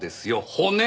骨！